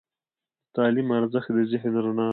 د تعلیم ارزښت د ذهن رڼا ده.